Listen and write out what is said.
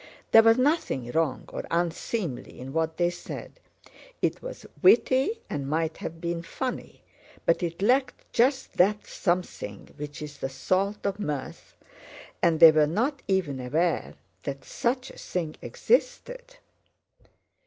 There was nothing wrong or unseemly in what they said, it was witty and might have been funny, but it lacked just that something which is the salt of mirth, and they were not even aware that such a thing existed.